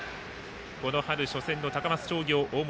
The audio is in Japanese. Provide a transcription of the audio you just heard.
この春、初戦の高松商業、大室